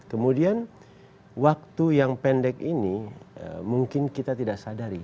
kemudian waktu yang pendek ini mungkin kita tidak sadari